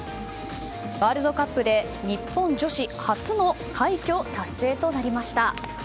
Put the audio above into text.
ワールドカップで日本女子初の快挙達成となりました。